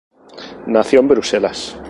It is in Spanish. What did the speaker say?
Nació en Bruselas.